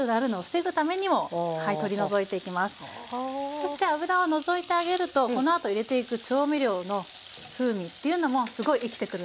そして脂を除いてあげるとこのあと入れていく調味料の風味っていうのもすごい生きてくるんです。